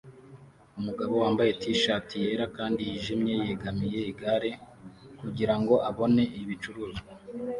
Umugabo wambaye t-shati yera kandi yijimye yegamiye igare kugirango abone ibicuruzwa